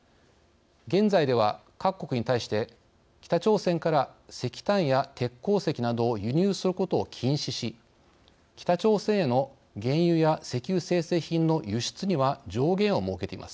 現在では各国に対して北朝鮮から石炭や鉄鉱石などを輸入することを禁止し北朝鮮への原油や石油精製品の輸出には上限を設けています。